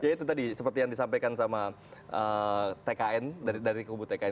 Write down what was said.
ya itu tadi seperti yang disampaikan sama tkn dari kubu tkn